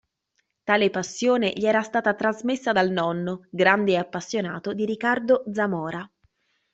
Tale passione gli era stata trasmessa dal nonno, grande appassionato di Ricardo Zamora.